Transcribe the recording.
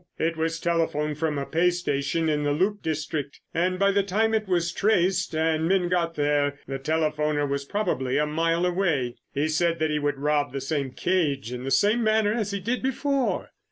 It was telephoned from a pay station in the loop district, and by the time it was traced and men got there, the telephoner was probably a mile away. He said that he would rob the same cage in the same manner as he did before."